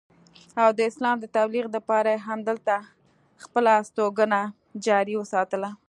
او د اسلام د تبليغ دپاره ئې هم دلته خپله استوګنه جاري اوساتله